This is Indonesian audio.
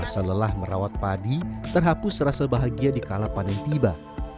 rasa lelah merawat padi terhapus rasa bahagia di kala panen tiba